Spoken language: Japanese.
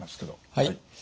はい。